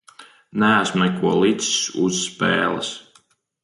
Neesmu neko licis uz spēles.